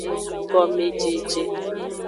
Gomejeje.